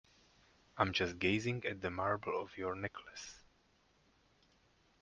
I'm just gazing at the marble of your necklace.